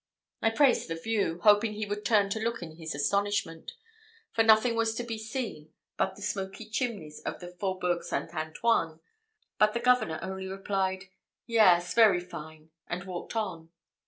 I praised the view, hoping he would turn to look in his astonishment; for nothing was to be seen but the smoky chimneys of the Fauxbourg St. Antoine. But the governor only replied, "Yes, very fine," and walked on.